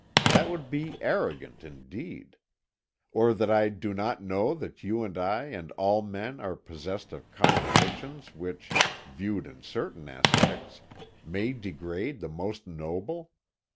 That would be arrogant, indeed. Or that I do not know that you and I and all men are possessed of contradictions which, viewed in certain aspects, may degrade the most noble?